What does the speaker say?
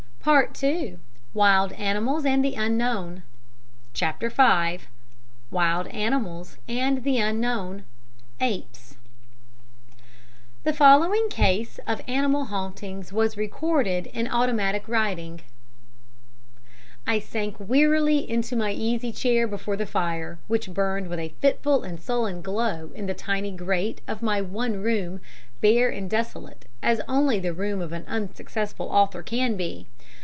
PART II WILD ANIMALS AND THE UNKNOWN CHAPTER V WILD ANIMALS AND THE UNKNOWN Apes The following case of animal hauntings was recorded in automatic writing: "I sank wearily into my easy chair before the fire, which burned with a fitful and sullen glow in the tiny grate of my one room bare and desolate as only the room of an unsuccessful author can be.